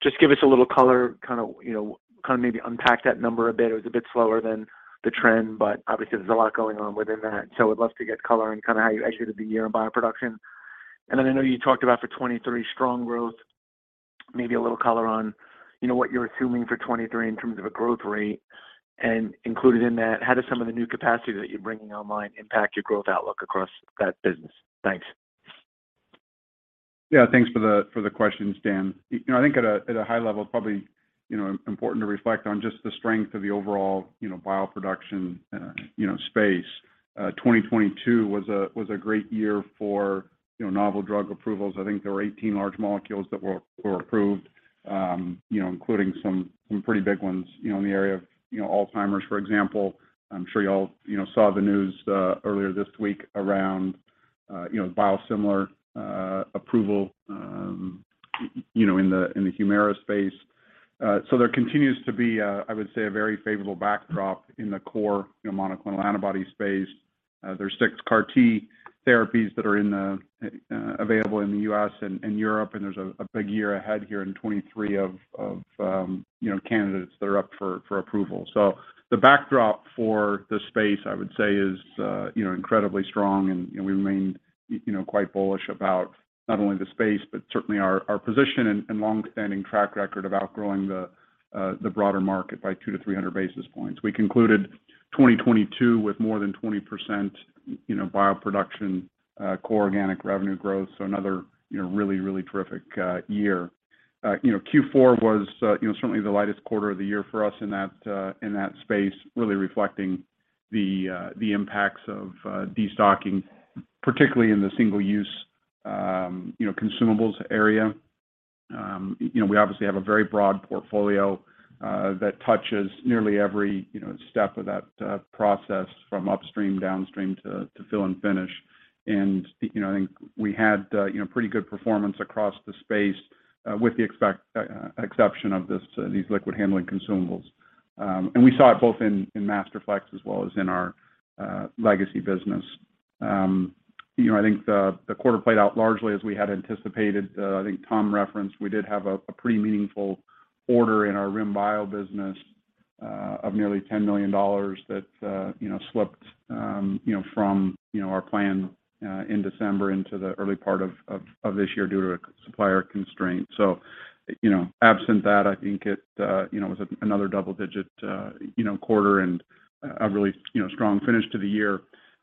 Just give us a little color, you know, maybe unpack that number a bit. It was a bit slower than the trend, but obviously there's a lot going on within that. I'd love to get color on how you exited the year in bioproduction. Then I know you talked about for 2023, strong growth, maybe a little color on what you're assuming for 2023 in terms of a growth rate. Included in that, how does some of the new capacity that you're bringing online impact your growth outlook across that business? Thanks. Yeah, thanks for the questions, Dan. You know, I think at a high level, probably, you know, important to reflect on just the strength of the overall, you know, bioproduction space. 2022 was a great year for, you know, novel drug approvals. I think there were 18 large molecules that were approved, you know, including some pretty big ones, you know, in the area of, you know, Alzheimer's, for example. I'm sure you all, you know, saw the news earlier this week around, you know, biosimilar approval, you know, in the Humira space. There continues to be, I would say, a very favorable backdrop in the core, you know, monoclonal antibody space. There's six CAR T therapies that are available in the U.S. and Europe, and there's a big year ahead here in 2023 of, you know, candidates that are up for approval. The backdrop for the space, I would say, is, you know, incredibly strong and we remain, you know, quite bullish about not only the space, but certainly our position and longstanding track record of outgrowing the broader market by 200-300 basis points. We concluded 2022 with more than 20%, you know, bioproduction, core organic revenue growth. Another, you know, really, really terrific year. You know, Q4 was, you know, certainly the lightest quarter of the year for us in that, in that space, really reflecting the impacts of destocking, particularly in the single-use, you know, consumables area. You know, we obviously have a very broad portfolio that touches nearly every, you know, step of that process from upstream, downstream to fill and finish. You know, I think we had, you know, pretty good performance across the space with the exception of these liquid handling consumables. We saw it both in Masterflex as well as in our legacy business. You know, I think the quarter played out largely as we had anticipated. I think Tom referenced we did have a pretty meaningful order in our RIM Bio business of nearly $10 million that, you know, slipped, you know, from, you know, our plan in December into the early part of this year due to a supplier constraint. You know, absent that, I think it, you know, was another double-digit, you know, quarter and a really, you know, strong finish to the year.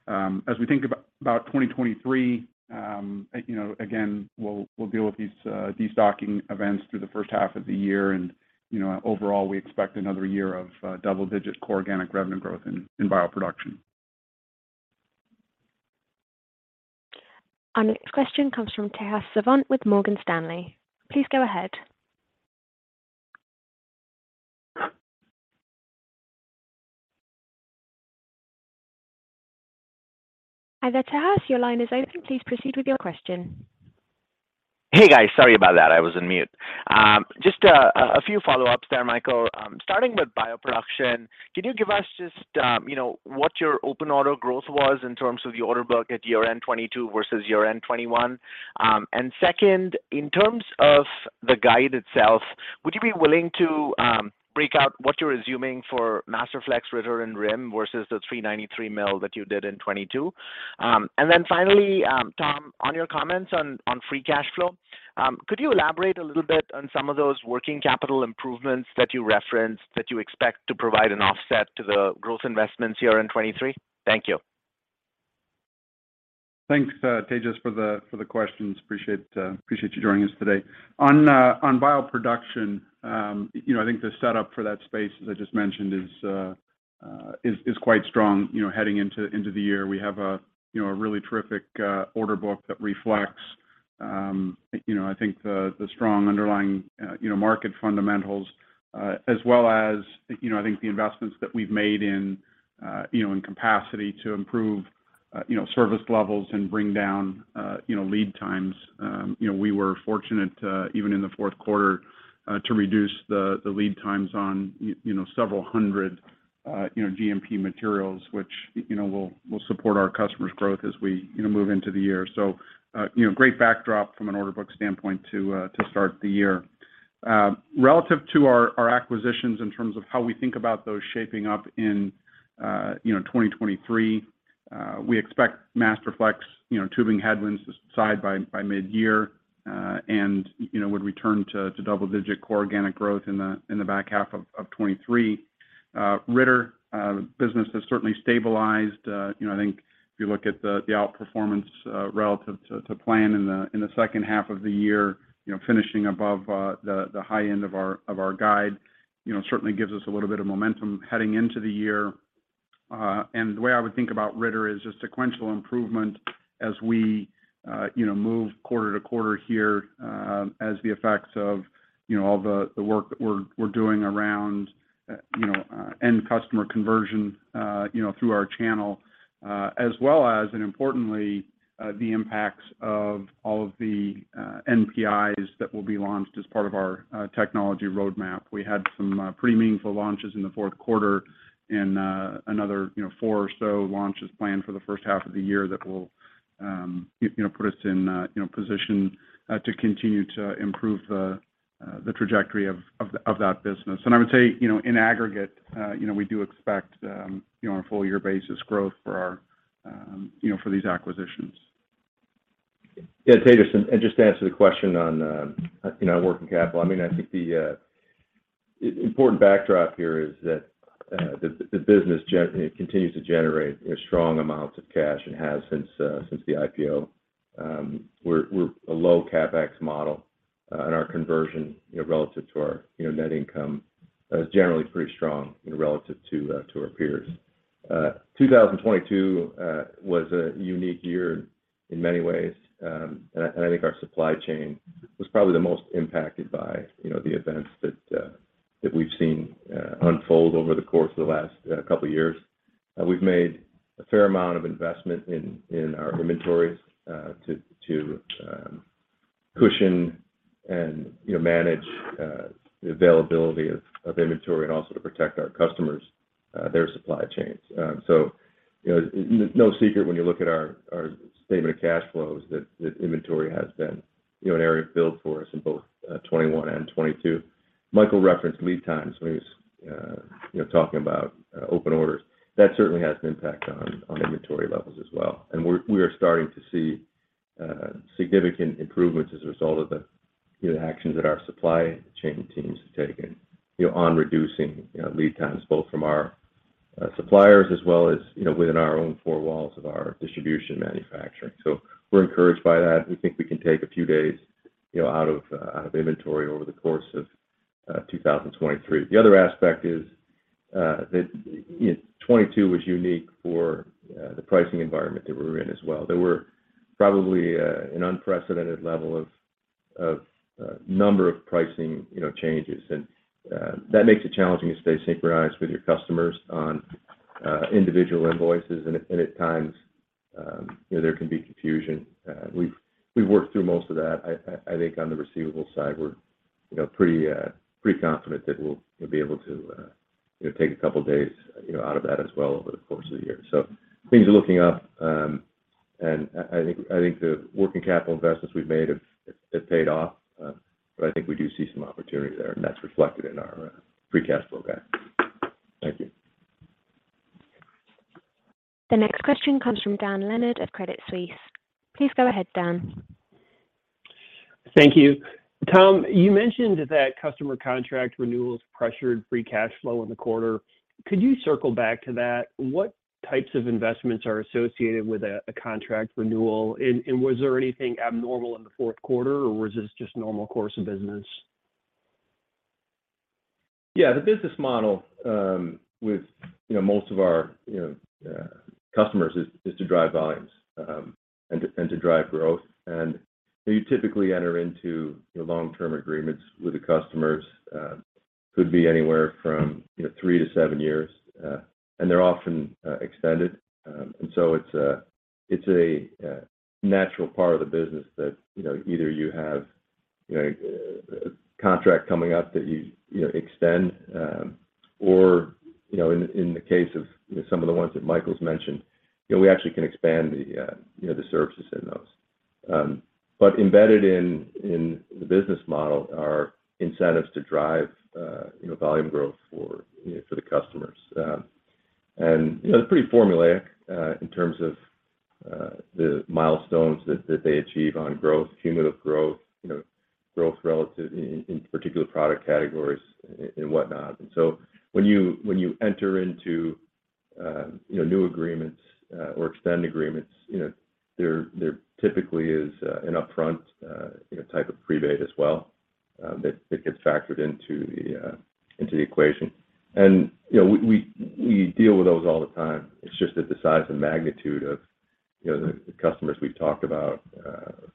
As we think about 2023, you know, again, we'll deal with these destocking events through the first half of the year. You know, overall, we expect another year of double-digit core organic revenue growth in bioproduction. Our next question comes from Tejas Savant with Morgan Stanley. Please go ahead. Hi there, Tejas. Your line is open. Please proceed with your question. Hey, guys. Sorry about that. I was on mute. Just a few follow-ups there, Michael. Starting with bioproduction, can you give us just, you know, what your open order growth was in terms of the order book at year-end 2022 versus year-end 2021? Second, in terms of the guide itself, would you be willing to break out what you're assuming for Masterflex, Ritter and RIM versus the $393 million that you did in 2022? Finally, Tom, on your comments on free cash flow, could you elaborate a little bit on some of those working capital improvements that you referenced that you expect to provide an offset to the gross investments year-end 2023? Thank you. Thanks, Tejas, for the questions. Appreciate you joining us today. On bioproduction, you know, I think the setup for that space, as I just mentioned, is quite strong. You know, heading into the year, we have a, you know, a really terrific order book that reflects, you know, I think the strong underlying, you know, market fundamentals, as well as, you know, I think the investments that we've made in, you know, in capacity to improve, you know, service levels and bring down, you know, lead times. We were fortunate, even in the fourth quarter, to reduce the lead times on, you know, several hundred GMP materials, which, you know, will support our customers' growth as we, you know, move into the year. Great backdrop from an order book standpoint to start the year. Relative to our acquisitions in terms of how we think about those shaping up in 2023, we expect Masterflex tubing headwinds to subside by mid-year, and, you know, would return to double digit core organic growth in the back half of 2023. Ritter business has certainly stabilized. You know, I think if you look at the outperformance relative to plan in the, in the second half of the year, you know, finishing above the high end of our, of our guide, you know, certainly gives us a little bit of momentum heading into the year. The way I would think about Ritter is just sequential improvement as we, you know, move quarter to quarter here, as the effects of, you know, all the work that we're doing around, you know, end customer conversion, you know, through our channel, as well as, and importantly, the impacts of all of the NPIs that will be launched as part of our technology roadmap. We had some pretty meaningful launches in the fourth quarter and another, you know, four or so launches planned for the first half of the year that will, you know, put us in a, you know, position to continue to improve the trajectory of that business. I would say, you know, in aggregate, you know, we do expect, you know, on a full-year basis growth for our, you know, for these acquisitions. Taylor, just to answer the question on, you know, working capital, I mean, I think the important backdrop here is that the business continues to generate strong amounts of cash, and has since since the IPO. We're a low CapEx model, and our conversion, you know, relative to our, you know, net income, is generally pretty strong, you know, relative to our peers. 2022 was a unique year in many ways. And I think our supply chain was probably the most impacted by, you know, the events that we've seen unfold over the course of the last couple years. We've made a fair amount of investment in our inventories to cushion and, you know, manage the availability of inventory and also to protect our customers, their supply chains. You know, no secret when you look at our statement of cash flows that inventory has been, you know, an area of build for us in both 2021 and 2022. Michael referenced lead times when he was, you know, talking about open orders. That certainly has an impact on inventory levels as well. We are starting to see significant improvements as a result of the actions that our supply chain teams have taken, you know, on reducing, you know, lead times both from our suppliers as well as, you know, within our own four walls of our distribution manufacturing. We're encouraged by that. We think we can take a few days, you know, out of inventory over the course of 2023. The other aspect is that, you know, 2022 was unique for the pricing environment that we were in as well. There were probably an unprecedented level of number of pricing, you know, changes. That makes it challenging to stay synchronized with your customers on individual invoices and at times, you know, there can be confusion. We've worked through most of that. I think on the receivable side, we're, you know, pretty confident that we'll be able to, you know, take a couple days, you know, out of that as well over the course of the year. Things are looking up. I think the working capital investments we've made have paid off. I think we do see some opportunity there, and that's reflected in our free cash flow guide. Thank you. The next question comes from Dan Leonard of Credit Suisse. Please go ahead, Dan. Thank you. Tom, you mentioned that customer contract renewals pressured free cash flow in the quarter. Could you circle back to that? What types of investments are associated with a contract renewal? Was there anything abnormal in the fourth quarter, or was this just normal course of business? Yeah. The business model, with, you know, most of our, you know, customers is to drive volumes, and to drive growth. You typically enter into, you know, long-term agreements with the customers. Could be anywhere from, you know, three to seven years. They're often extended. It's a natural part of the business that, you know, either you have, you know, a contract coming up that you know, extend, or, you know, in the case of, you know, some of the ones that Michael's mentioned, you know, we actually can expand the, you know, the services in those. Embedded in the business model are incentives to drive, you know, volume growth for, you know, for the customers. You know, it's pretty formulaic, in terms of, the milestones that they achieve on growth, cumulative growth, you know, growth relative in particular product categories and whatnot. When you enter into, you know, new agreements, or extend agreements, you know, there typically is, an upfront, you know, type of rebate as well, that gets factored into the equation. You know, we deal with those all the time. It's just that the size and magnitude of, you know, the customers we've talked about,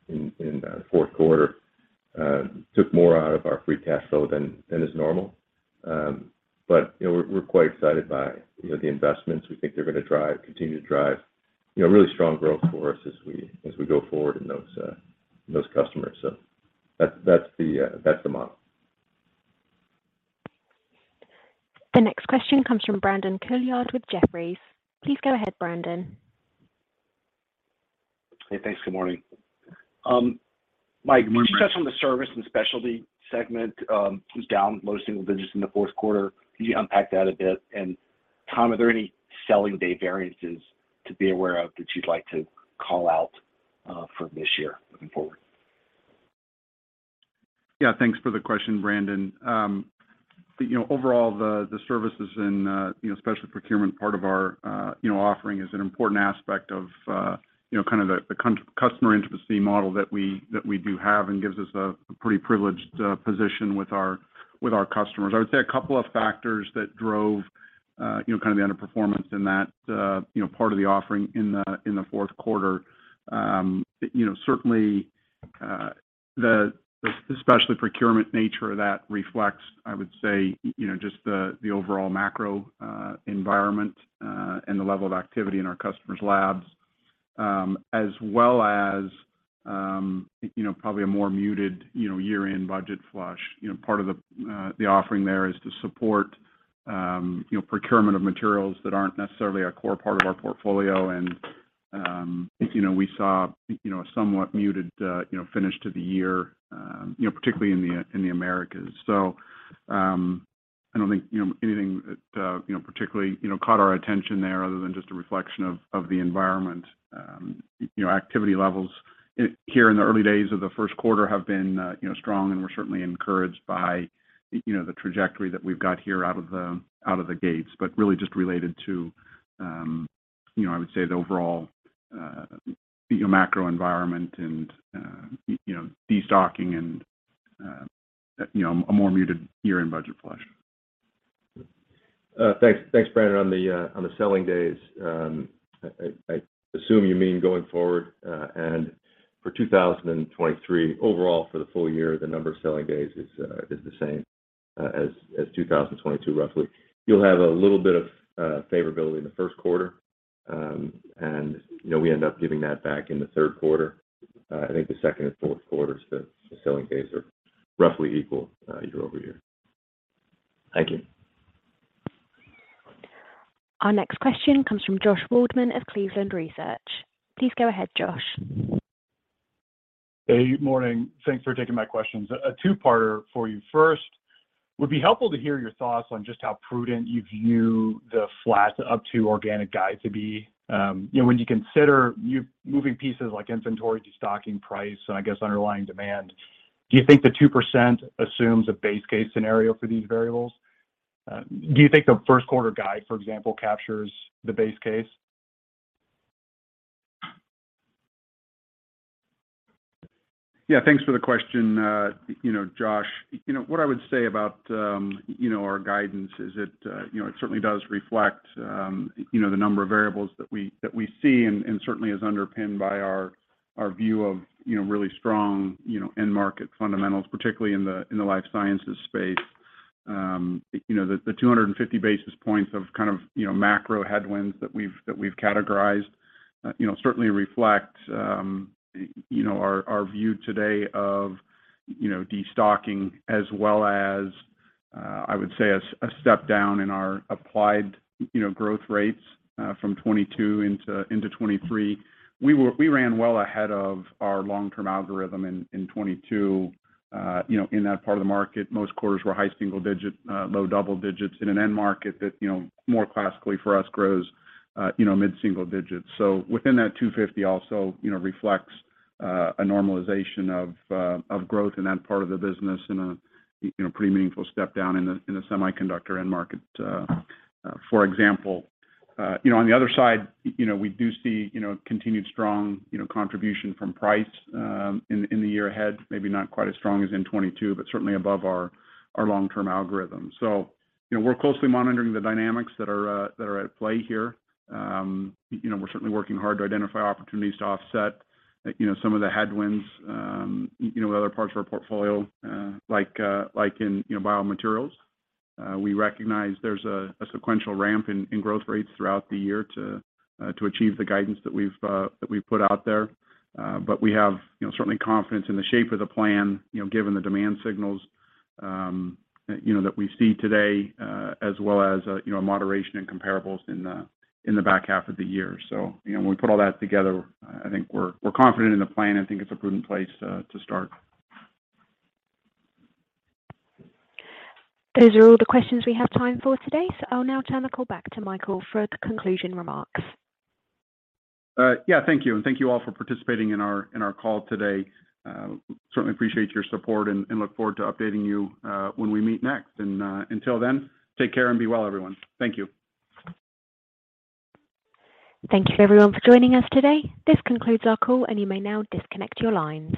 in fourth quarter- Took more out of our free cash flow than is normal. You know, we're quite excited by, you know, the investments. We think they're gonna drive, continue to drive, you know, really strong growth for us as we go forward in those customers. That's the model. The next question comes from Brandon Couillard with Jefferies. Please go ahead, Brandon. Hey, thanks. Good morning. Mike- Good morning. Can you touch on the service and specialty segment, was down low single digits in the fourth quarter? Can you unpack that a bit? Tom, are there any selling day variances to be aware of that you'd like to call out for this year looking forward? Yeah, thanks for the question, Brandon. You know, overall the services and, you know, special procurement part of our, you know, offering is an important aspect of, you know, kind of the customer intimacy model that we do have and gives us a pretty privileged position with our customers. I would say a couple of factors that drove, you know, kind of the underperformance in that, you know, part of the offering in the fourth quarter. You know, certainly, the specialty procurement nature of that reflects, I would say, you know, just the overall macro environment and the level of activity in our customers' labs. As well as, you know, probably a more muted, you know, year-end budget flush. You know, part of the offering there is to support, you know, procurement of materials that aren't necessarily a core part of our portfolio and, you know, we saw, you know, a somewhat muted, you know, finish to the year, you know, particularly in the Americas. I don't think, you know, anything that, you know, particularly, you know, caught our attention there other than just a reflection of the environment. You know, activity levels here in the early days of the first quarter have been, you know, strong, and we're certainly encouraged by, you know, the trajectory that we've got here out of the gates. Really just related to, you know, I would say the overall, you know, macro environment and, you know, destocking and, you know, a more muted year-end budget flush. Thanks, Brandon. On the selling days, I assume you mean going forward, and for 2023 overall for the full-year, the number of selling days is the same as 2022 roughly. You'll have a little bit of favorability in the first quarter, and you know, we end up giving that back in the third quarter. I think the second and fourth quarters, the selling days are roughly equal year-over-year. Thank you. Our next question comes from Josh Waldman of Cleveland Research. Please go ahead, Josh. Hey. Good morning. Thanks for taking my questions. A two-parter for you. First, would be helpful to hear your thoughts on just how prudent you view the flat up to organic guide to be. You know, when you consider you moving pieces like inventory to stocking price and I guess underlying demand, do you think the 2% assumes a base case scenario for these variables? Do you think the first quarter guide, for example, captures the base case? Yeah, thanks for the question, you know, Josh. You know, what I would say about, you know, our guidance is it, you know, it certainly does reflect, you know, the number of variables that we, that we see and certainly is underpinned by our view of, you know, really strong, you know, end market fundamentals, particularly in the, in the life sciences space. You know, the 250 basis points of kind of, you know, macro headwinds that we've, that we've categorized, you know, certainly reflect, you know, our view today of, you know, destocking as well as, I would say a step down in our applied, you know, growth rates, from 2022 into 2023. We ran well ahead of our long-term algorithm in 2022, you know, in that part of the market. Most quarters were high single digit, low double digits in an end market that, you know, more classically for us grows, you know, mid-single digits. Within that 250 also, you know, reflects a normalization of growth in that part of the business in a, you know, pretty meaningful step down in the semiconductor end market, for example. On the other side, you know, we do see, you know, continued strong, you know, contribution from price in the year ahead, maybe not quite as strong as in 22, but certainly above our long-term algorithm. We're closely monitoring the dynamics that are at play here. You know, we're certainly working hard to identify opportunities to offset, you know, some of the headwinds, you know, other parts of our portfolio, like in, you know, biomaterials. We recognize there's a sequential ramp in growth rates throughout the year to achieve the guidance that we've put out there. We have, you know, certainly confidence in the shape of the plan, you know, given the demand signals, you know, that we see today, as well as, you know, moderation and comparables in the back half of the year. You know, when we put all that together, I think we're confident in the plan. I think it's a prudent place to start. Those are all the questions we have time for today. I'll now turn the call back to Michael for the conclusion remarks. Yeah. Thank you. Thank you all for participating in our, in our call today. Certainly appreciate your support and look forward to updating you, when we meet next. Until then, take care and be well, everyone. Thank you. Thank you everyone for joining us today. This concludes our call, and you may now disconnect your lines.